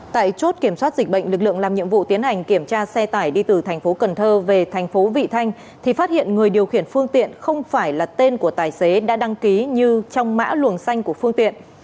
tại chốt kiểm soát dịch bệnh lực lượng làm nhiệm vụ tiến hành kiểm tra xe tải đi từ thành phố cần thơ về thành phố vị thanh thì phát hiện người điều khiển phương tiện không phải là tên của tài xế đã đăng ký như trong mã luồng xanh của phương tiện